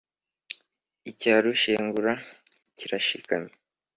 icya rushengura kirashikamye !